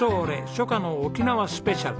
初夏の沖縄スペシャル。